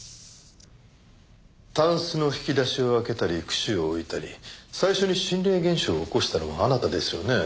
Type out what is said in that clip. たんすの引き出しを開けたりくしを置いたり最初に心霊現象を起こしたのはあなたですよね。